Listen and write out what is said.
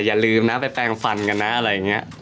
อย่าลืมนะไปแปลงฟันกันนะ